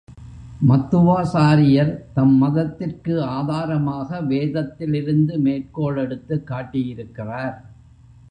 மத்துவாசாரியர் தம் மதத்திற்கு ஆதாரமாக வேதத்திலிருந்து மேற்கோள் எடுத்துக் காட்டியிருக்கிறார்.